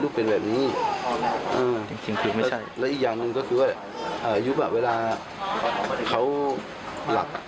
แล้วอีกอย่างหนึ่งก็คือว่าอายุแบบเวลาเขาหลับ